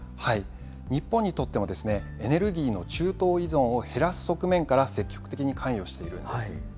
日本にとっても、エネルギーの中東依存を減らす側面から積極的に関与しているんです。